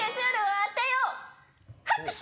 拍手！